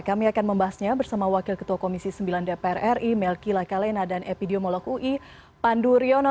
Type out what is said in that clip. kami akan membahasnya bersama wakil ketua komisi sembilan dpr ri melki lakalena dan epidemiolog ui pandu riono